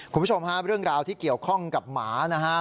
คุณผู้ชมฮะเรื่องราวที่เกี่ยวข้องกับหมานะฮะ